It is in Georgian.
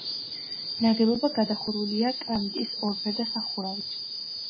ნაგებობა გადახურულია კრამიტის ორფერდა სახურავით.